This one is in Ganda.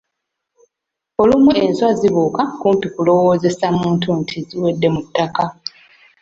Olumu enswa zibuuka kumpi kulowoozesa muntu nti ziwedde mu ttakka.